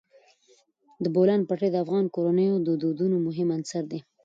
د بولان پټي د افغان کورنیو د دودونو مهم عنصر دی.